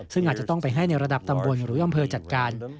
ซึ่งอาจจะต้องไปให้ในระดับตำบลหรืออำเภอจัดการ